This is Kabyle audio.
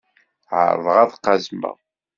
Ԑerḍeɣ ad qazmeɣ.